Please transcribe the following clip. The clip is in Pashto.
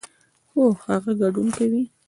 هو، هغه ګډون کوي